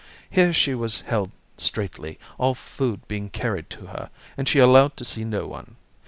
Here she was held straitly, all food being carried to her, and she allowed to see no one.